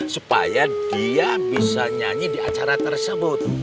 supaya dia bisa nyanyi di acara tersebut